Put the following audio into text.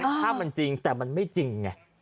ถ้ามันจริงแต่มันไม่จริงไง